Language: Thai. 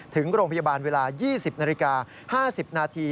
ถึงโรงพยาบาลเวลา๒๐นาฬิกา๕๐นาที